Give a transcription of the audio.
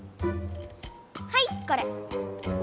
はいこれ。